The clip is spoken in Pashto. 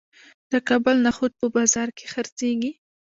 د کابل نخود په بازار کې خرڅیږي.